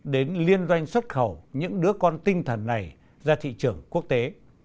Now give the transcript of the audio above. đến liên doanh xuất khẩu những đứa con tinh thần này ra thị trường quốc tế